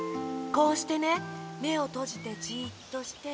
こうしてねめをとじてじっとして。